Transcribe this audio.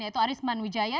yaitu arisman wijaya